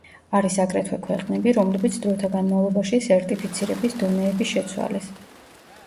არის აგრეთვე ქვეყნები, რომლებიც დროთა განმავლობაში სერტიფიცირების დონეები შეცვალეს.